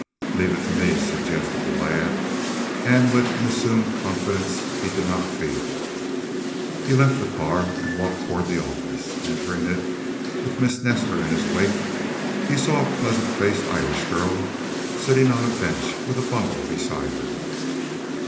"Leave it to me," suggested the lad, with an assumed confidence he did not feel. He left the car, and walked toward the office. Entering it, with Miss Nestor in his wake, he saw a pleasant faced Irish girl, sitting on a bench, with a bundle beside her.